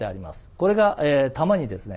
これが弾にですね